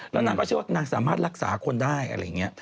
แล้วนางก็เชื่อว่านางสามารถรักษาคนได้อะไรอย่างนี้